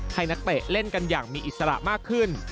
นักเตะเล่นกันอย่างมีอิสระมากขึ้น